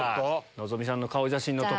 希さんの顔写真の所